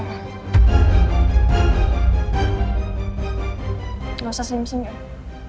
nggak usah senyum senyum ya